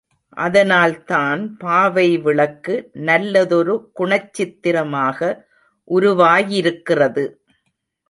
அதனால்தான் பாவை விளக்கு நல்லதொரு குணச்சித்திரமாக உருவாயிருக்கிறது.